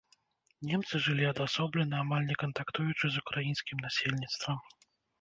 Немцы жылі адасоблена, амаль не кантактуючы з украінскім насельніцтвам.